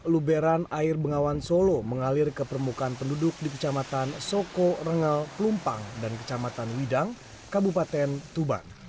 luberan air bengawan solo mengalir ke permukaan penduduk di kecamatan soko rengel pelumpang dan kecamatan widang kabupaten tuban